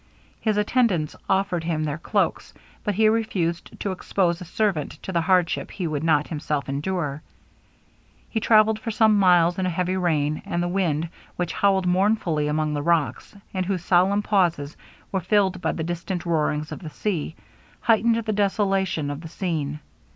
His attendants offered him their cloaks, but he refused to expose a servant to the hardship he would not himself endure. He travelled for some miles in a heavy rain; and the wind, which howled mournfully among the rocks, and whose solemn pauses were filled by the distant roarings of the sea, heightened the desolation of the scene.